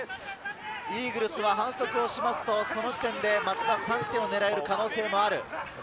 イーグルスは反則すると、その時点で松田、３点を狙える可能性があります。